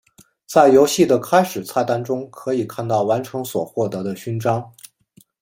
在游戏的开始菜单中可以看到完成所获得的勋章。